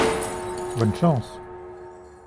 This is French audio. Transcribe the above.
Bonne chance !